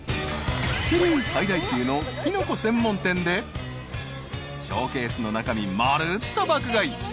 ［桐生最大級のキノコ専門店でショーケースの中身まるっと爆買い］